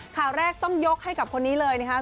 ข่าวแรกต้องยกให้กับคนนี้เลยนะครับ